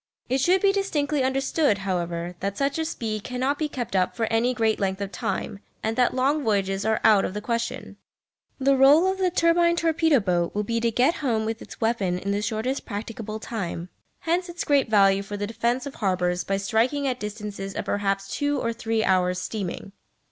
It should be distinctly understood, however, that such a speed cannot be kept up for any great length of time and that long voyages are out of the question. The rôle of the turbine torpedo boat will be to "get home" with its weapon in the shortest practicable time. Hence its great value for the defence of harbours by striking at distances of perhaps two or three hours' steaming.